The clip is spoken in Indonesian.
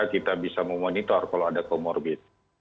kita bisa memonitor kalau ada comorbid